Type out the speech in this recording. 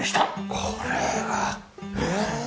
これはええっ？